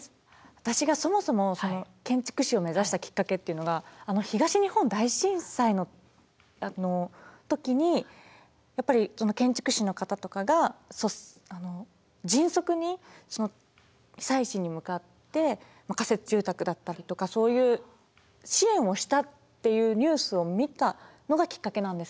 私がそもそも建築士を目指したきっかけっていうのが東日本大震災の時にやっぱり建築士の方とかがあの迅速にその被災地に向かって仮設住宅だったりとかそういう支援をしたっていうニュースを見たのがきっかけなんですね。